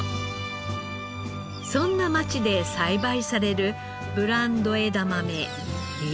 そんな町で栽培されるブランド枝豆味